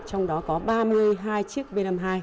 trong đó có ba mươi hai chiếc b năm mươi hai